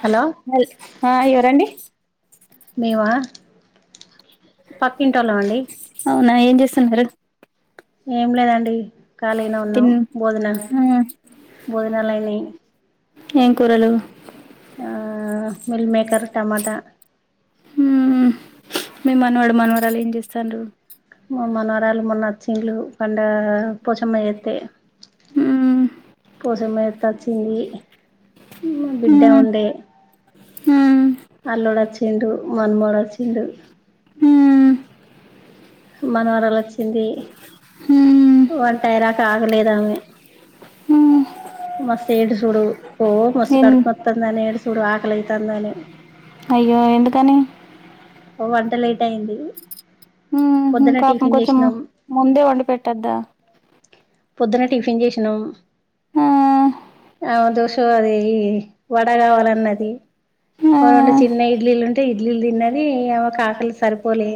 Hello హ ఎవరండి మేమ అవునా ఏం చేస్తున్నారు ఏం లేదండి ఖాళీగానే ఉన్నాం తిన్ భోజనం ఆ భోజనాలు అయినాయి ఏం కూరలు అ మిల్ మేకర్ టమాటా మ్మ్ మీ మనవడు మనవరాలు ఏం చేస్తాంరు మా మనవరాలు మొన్న వచ్చింళు పండగా పోచమ్మ చెత్తే మ్మ్ పోచమ్మ చెత్తే అచ్చింది మా బిడ్డ మ్మ్ ఉండే అల్లుడు వచ్చిండు మనుమడు వచ్చిండు హమ్ మనవరలు వచ్చింది మ్మ్ వంట అయ్యేదాకా ఆగలేదామె మ్మ్ మస్తు ఏడుసుడు ఓ మస్తు ఎన్ కడుపు నొస్తందని ఏడుసుడు ఆకలైతాందని అయ్యో ఎందుకని ఒక వంట లేట్ అయింది మ్మ్ పొద్దున పాపం టిఫిన్ కొంచెం చేసినాం ముందే వండి పెట్టద్దా పొద్దున టిఫిన్ చేసినాం ఆ ఆ దోస అది వడ కావాలన్నది ఆ ఒక రెండు చిన్న ఇడ్లీలు ఉం డి ఇడ్లీలు తిన్నది ఈ ఆమెకు ఆకలి సరిపోలే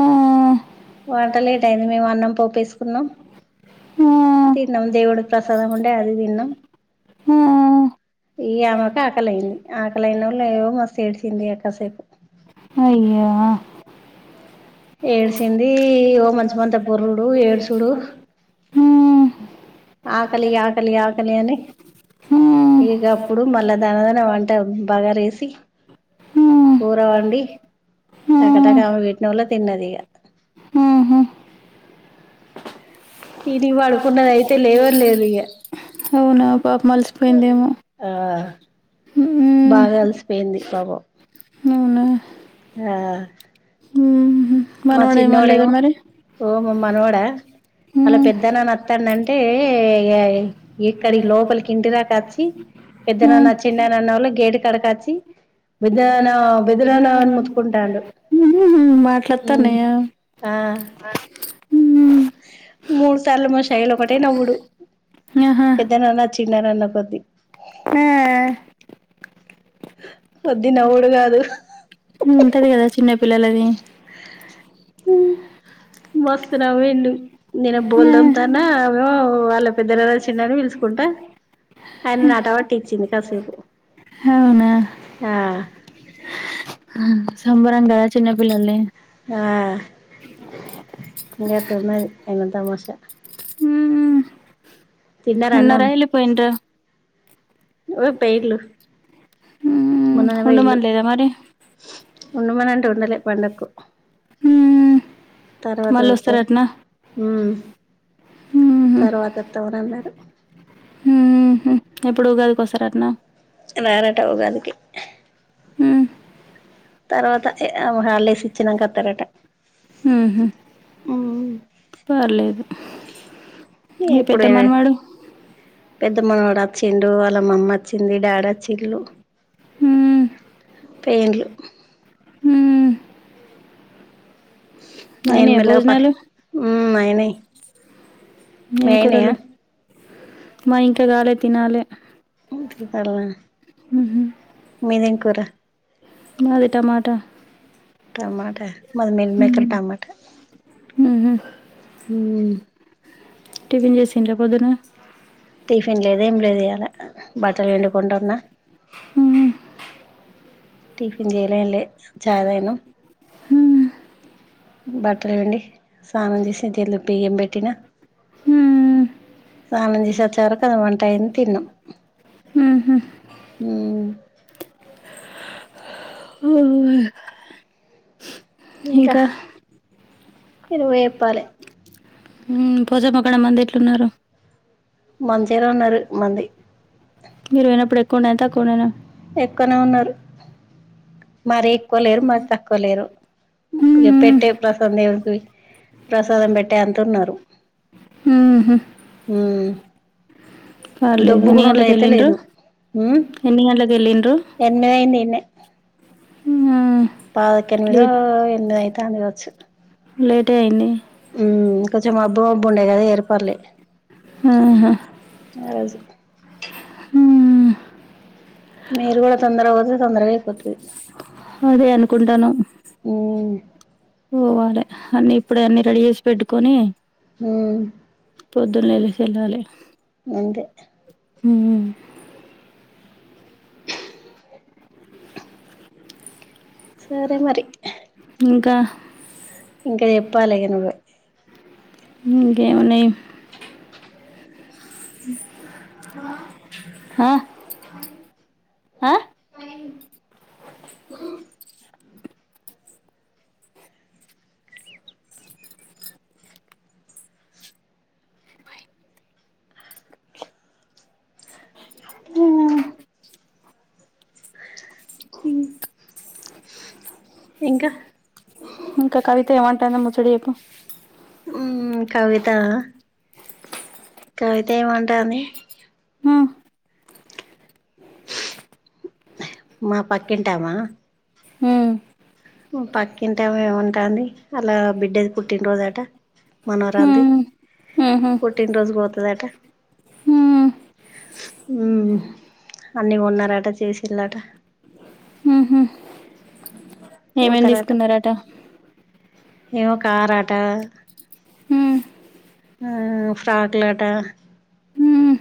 ఆ వంట లేట్ అయింది మేము అన్నం పోపేసుకున్నాం ఆ తిన్నాం దేవుడికి ప్రసాదం ఉండే అది తిన్నాం ఇగ ఆమెకు ఆకలి అయింది లేనోల్లేవో మస్తు ఏడిసింది అయ్యో ఎడ్సింది ఓ మంచమంత బొర్రుడు ఏడుసుడు ఆహా! ఆకలి ఆకలి ఆకలి అని ఇగప్పుడు మళ్ళా దనదన వంట బగారేసి కూరవండి టకటక ఆమెకు వెట్టినోల్లే తిన్నది ఇగ తిరిగి పడుకున్నది అయితే లేవనే లేదు ఇగ అవునా పాపం అలిసిపోయిందేమో ఆ హమ్ బాగా అలసిపోయింది పాపం అవునా ఆ మ్మ్. మా మనవాడు ఏమనలేదా చిన్నోడేమో మరి ఓ మనవడా అలా మ్మ్. పెద్దనన్న అత్తండంటే అంటే ఇగ ఇక్కడి లోపలికి ఇంటిదాక వచ్చి పెద్దనన్న మ్మ్. వచ్చిందన్నవోల్లె గేటు కాడావొచ్చి పెద్దనాన్న పెద్దనాన్న అని మోత్ కుంటాడు మ్మ్. హ్మ్ మాట్లాడుతున్నాయా మ్మ్. మూడు సార్లు మా శైలు ఒకటే నవ్వుడు ఆహా పెద్దనన్న చిన్ననన్న కొద్దీ ఆ కొద్ది నవ్వుడు కాదు ఉంటది కదా చిన్న పిల్లలది మస్తు నవ్విండు నేను ఆ. బోల్దా తన్నా ఓ వాళ్ళ పెద్దరా చిన్నని పిలుసుకుంటా ఆట పట్టి ఇచ్చింది కాసేపు అవునా ఆ సంబరం కదా చిన్నపిల్లల్ని ఆ ఏం చేత్తాం మరి ఏందో తమాషా హ్మ్ తిన్నారా అన్నం ఉన్నరా ఎల్లిపోయిండ్ర మ్మ్. ఉండమనలేదా మరి [unintelligible] ఉండుమనంట ఉండలేే పండక్కు తర్వాత మళ్ళీ వత్తాం వస్తారటనా హ్మ్ ఊహు తర్వాత వత్తాం అని అన్నారు ఊహు ఎప్పుడు ఉగాదికొస్తారటనా రారట ఉగాది కి హ్మ్ తర్వాత హాలిడేస్ ఇచ్చినంక వత్తారట ఊహు పర్లేదు మీ పెద్ద ఎప్పుడైనా మనవాడు పెద్దమనవడు వచ్చిండు వాళ్ళ మమ్ వచ్చింది డాడ్ వచ్చిల్లు ఊ పెండ్లూ ఊ నేను అయినయా మెల్లగా పన్ భోజనాలు హ్మ్ అయినయి మీ ఏం అయినయా కూరలు మా ఇంకా గాాలె తినాలి తాల [unintelligible] మీదిం కూర మాది టమాటా టమాట మాది మీల్ ఊహు మేకర్ టమాట ఊహు టిఫిన్ చేసిండ్ర పొద్దున టిఫిన్ లేదేం లేదు ఇయాల బట్టలు ఎండుకుంటున్నా ఊహు టిఫిన్ చేయలే ఏంలే చాయ్ తాగినం బట్టలుపిండి స్నానం చేసి చెల్ బియ్యం పెట్టి తిను ఊ ఊ సానం చెష్ ఒచ్చే వరకు అది వంటైంది తిన్నం ఊహు మ్మ్ [unintelligible] ఇంకా ఇరు వే యప్పాలే మ్మ్ పోచమ్మ కాడ మంది ఎట్లున్నారు మంచిగనే ఉన్నారు మంది మీరు పోయినప్పుడు ఎక్కువుండేనా తక్కువుండేనా ఎక్కువనే ఉన్నారు మరీ ఎక్కువలేరు మరీ తక్కువ లేరు ఇగ మ్మ్. పెట్టే ప్రసాదం దేవుడికి ప్రసాదం పెట్టే అంతున్నారు మ్మ్హ. మ్మ్ పర్లేదు ఎన్ని అయితే గంటలకెళ్లిన్రు లేదు ఉమ్ ఎన్ని గంటలకెళ్లిన్రు ఎనిమిది పాదక్క ఎనిమిదో లేట్ ఎనిమిది అయితాంది కావచ్చు లేటె అయింది మ్మ్ కొంచెం మబ్బు మబ్బు ఉండే కదా ఏర్పడలే, ఆహా. ఆ రోజు మ్మ్ మీరు కూడా తొందరగా పోతే తొందరగా అయిపోతది అదే అనుకుంటనం ఉమ్ పోవాలే అన్ని ఇప్పుడే అన్ని రెడీ చేసి పెట్టుకొని మ్మ్ పొద్దున్న లెగిసి వెళ్లాలి అంతే మ్మ్ సరే మరి ఇంకా ఇంకా చెప్పాలిగ నువ్వే ఇంకేం ఉన్నాయి మా హా [inaudible] ఆ ఆ ఇ ఇంక ఇంక కవిత ఏమంటాంది ముచ్చట చెప్ ప్పు మ్మ్ కవితా కవిత ఏమంటాంది మ్మ్. మా పక్కింటామా మ్మ్. మ్ పక్కింటమే ఏముంమంటంది ఆళ్ల బిడ్డది పుట్టినరోజు అట మనవరాల్ది మ్మ్. మ్మ్హ. పుట్టినరోజ్క్ పొత్ లఠ హ్మ్. మ్హ్ అన్ని కొన్నరట చేసిన్లట ఏమేమి తీసుకున్నారట ఏమో కారట హ్మ్. ఆహ్ ఫ్రాక్లాట హ్మ్.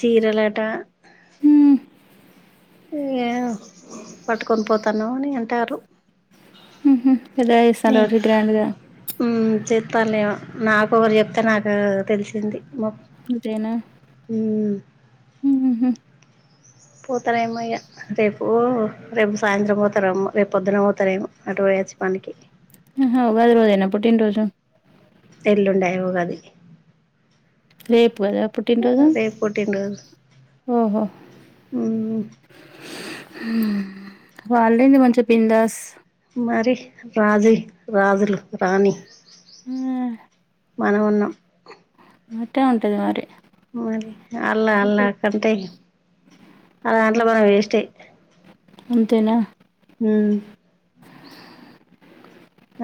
చీరలట హ్మ్. ఇయ్ పట్టుకొని పొత్తనవ్ అని అంటారు ఇదా ఇస్ సలోజి గ్రాండ్గ చేత్తన్లెమో నాకొ ఒకరు చెప్తే నాకు తెలిసింది అంతేనా మ్మ్ హుహుహు. పోతారేమో ఇయ రేపు రేప్ సాయంత్రం పోతారమో రేప్ పొద్దున పోతారేమో అటు పోయచ్చు పనికి ఆహా ఉగాది రోజేనా పుట్టిన్ రోజు ఎలుండై ఉగాది రెప్ కదా పుట్టినరోజు రేపు పుట్టినరోజు ఆహా మ్మ్ వాళ్ళేంది మంచిగా బిందాస్ మరి రాజి రాజులు రాని ఆ! మనం ఉన్నాం అట్టే ఉంటది మరి మరి అల్లా అల్లా కంటే అ దాంట్లో మనం వేస్ట్ ఎ అంతేనా మ్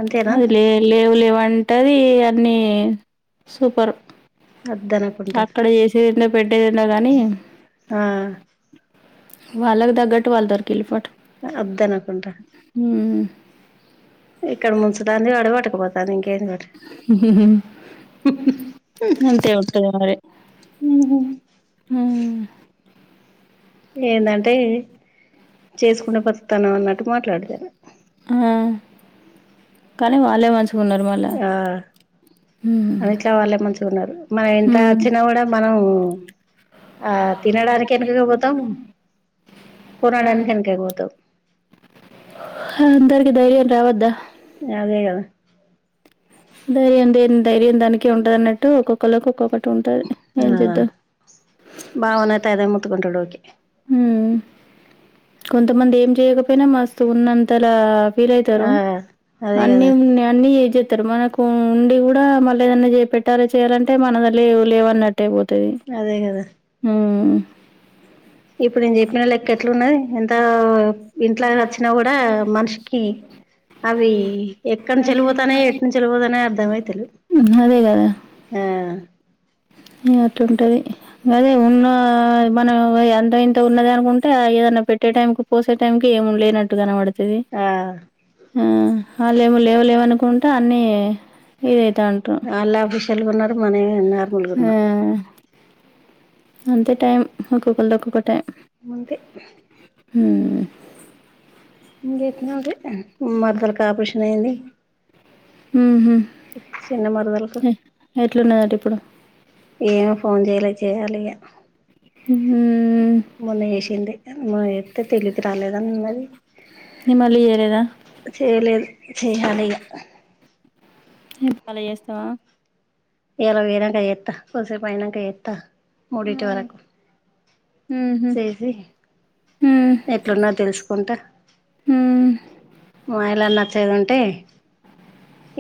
అంతేనా అది లే లేవ్ లేవ్ అంట్ అంటది అన్ని సూపర్ వద్దనకుంటా అక్కడ చేసేది ఏంటో పెట్టేది ఏంటో కాగానీ ఆ వల్లాగ్ దగ్గట్టు వాల్ డార్కిన్లు పట్ అ అబ్ద్ అనకుంట వాడు పట్టుకుపోతాను ఇంకేంది మరి అంతే ఉంట్ మరి ఉమ్ ఏందంటే చెస్కున్నా బతుక్తున్న అన్నట్టు మాట్లాడతది ఆ కానీ వాళ్లే మంచ్ ఆ హ్మ్ అ ఇట్లా వాళ్ళే మంచిగ్ ఉన్నారు మనం ఎంత హ్మ్. అచ్చినా కూడా మనం ఆ తినడానికి ఎన్కెకుపోతాం కొనడానికి ఎన్ అందరికి ధైర్య రావద్ద అదే గద ధైర్యం దెన్ ధైర్యం దానికి ఉంటదన్నట్టు ఒక్కొక్క లకు ఒక్కొక్క ఉంటాది ఏం ఆ చేద్దాం. ఆ బావనైతే అదే మొత్తుకుంటాడు ఓకే కొంతమంది ఏం చేయకపోయినా మస్తు ఉన్నంతలా ఫీల్ అయితరూ ఆ అదే అన్నీ కదా ఉన్ అన్నీ చెప్ తరు మనకూ ఉండి కూడా మళ్ళ ఏదన్నా చే పెట్టాలా చేయాలంటే మన లేవు లేవన్నట్ ట్టే పోతది. అదే కదా ఉమ్ ఇప్పుడు నేన్ చెప్పిన లెక్క ఎట్లున్నది ఎంతా, ఇంట్లా వచ్చినా కూడా మనిషికీ అవీ ఎక్కడ నుంచి ఎళ్ళిపోతానయి ఎట్ నుంచ్ ఎట్కెల్లి పోతానయ్ అర్ధమైత లేవ్. అదే కదా ఆ ఉంటది. అదే ఉన్నా మనం ఎంత ఇంత ఉన్నది అనుకుంటే ఏదన్న పెట్టే టైంకు, పోసే టైంకీ ఏమ్ లేనట్టు కనబడు తుంది. ఆ ఆ ఆ లెవు లేవు లేవన్న ఆ అన్నీ అంటారు వాళ్ళే ఆఫీషియల్గ ఉన్నరూ, మనమే నార్మల్గ ఆ, ఉన్నం. అంతే టైం ఒక్కొకల్ది ఒక్కొకటైం. అంతే హమ్ ఉమ్ మరదల్కి ఆపరేషన్ అయింది. ఊహు చిన్న మరదలకు ఎట్లున్నదట ఇప్పుడు. ఏమో ఫోన్ చేయలే. చేయాలిగ. హ్మ మొన్న చేశిందే. మా యత్త తెలివికి రాలేదన్నది. నీ మళ్ళీ చేయలేదా చేయలేదు చెయ్యాలిగ. మల్ల చేస్తవా. ఇయ్యాల పోయినంక చేత్తా. కొన్సేపైనంక చేత్తా. మూడిట్ వరకు. ఉమ్హు. సేసీ ఉమ్. ఎట్లున్నద్ తెలుసుకుంటా. ఉమ్. మా ఇళ్ళల్ల వచ్చేదుంటే,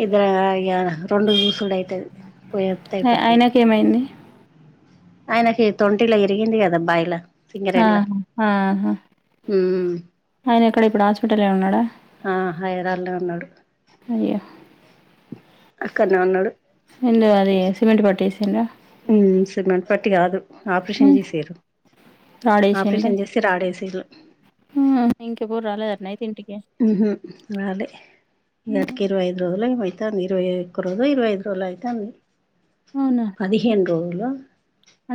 ఇద్దర్ ఇగా రెండు జూసుడు అయితది. పొయ్యొత్తే ఆ అయిపోతది. ఆయనకేమైంది అయనకీ తింటిల ఇ ఇరిగింది గదా బాయిల ఆ సింగరేణిల. ఆహా హమ్ ఆయన ఎక్కడ ఇప్పుడు హాస్పిటల్ లో ఉన్నాడా ఆ హైరాల్లో ఉన్నడు. అయ్యా అక్కడనే ఉన్నాడు ఏందో అదీ సిమెంట్ పట్టేసిండ్రా. హమ్ సిమెంట్ పట్టి కాదు ఆపరేషన్ చేశింరు. రాడేశింర్రు. హమ్ ఇంకెవరు రాలేదట్నా అయితే ఇంటికీ. ఊహూ రాలే. హ్మ్. నటికి ఇరవైఐదు రోజులు అయిపో అంది ఇరవై ఒక్క రోజులో ఇరవైఐదు రోజులు అవుతుంది అవునా పదిహేను రో హలో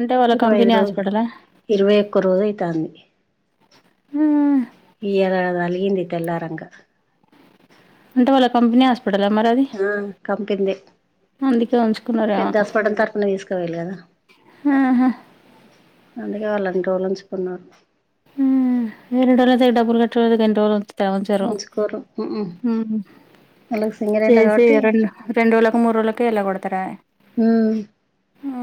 అంటే వాళ్ళ ఇరవై కంపెనీ ఐదు రోజు హాస్పిటలా ఇరవై ఒక్క రోజు అయితాంది హ్మ్ ఈయా అలిగింది తెల్లారంగ కంపనీ ఆ ఆ కంపింది అందుకే ఉంచుకున్నారేమో పెద్దస్పట తరపున తీసుకోవాలి గదా ఆహా అందుకే వాళ్ళన్ని రోలుంచుకున్నారు హమ్ ఎర్దోర్దే తగ్ డబ్బుల్ అంటు ఎని రోజులు ఉంచరు ఉంచుకోరు ఉహు హమ్ వాళ్ళకి సింగరేణిల చేసి కాబట్టి రెండు రెండు రోజులకు మూడు రోజులక ఏళ్లకొడతరు ఆ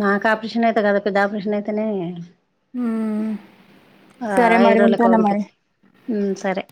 మాకాపశన అయితే కదా పెద్దాప ప్రశ్న అయి తనే ఉమ్ సరే ఐదు మరి రోజులకు ఉంటానా మరి పంపించి ఉమ్ సరే